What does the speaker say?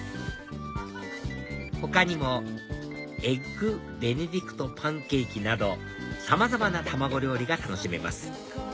他にもエッグベネディクトパンケーキなどさまざまな卵料理が楽しめます